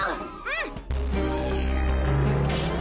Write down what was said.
うん！